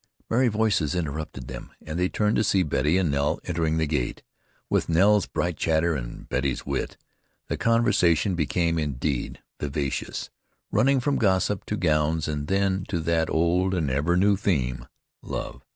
Merry voices interrupted them, and they turned to see Betty and Nell entering the gate. With Nell's bright chatter and Betty's wit, the conversation became indeed vivacious, running from gossip to gowns, and then to that old and ever new theme, love.